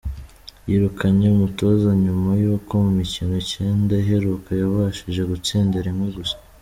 Yirukanye umutoza nyuma y’uko mu mikino icyenda iheruka yabashije gutsinda rimwe gusa.